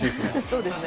そうですね。